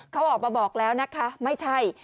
เขาออกมาบอกแล้วนะคะไม่ใช่